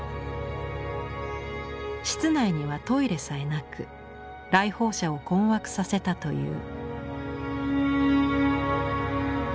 室内にはトイレさえなく来訪者を困惑させたという。